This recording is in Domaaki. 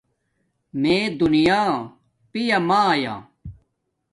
میے دُونیا پیامایا